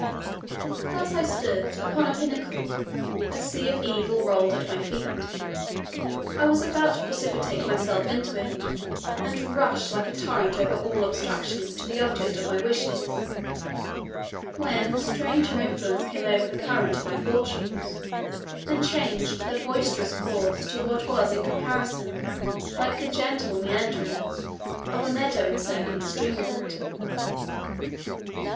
Thus I stood upon a pinnacle, a sea of evil rolled at my feet; I was about to precipitate myself into it, and rush like a torrent over all obstructions to the object of my wishes— when a stranger influence came over the current of my fortunes, and changed their boisterous course to what was in comparison like the gentle meanderings of a meadow encircling streamlet.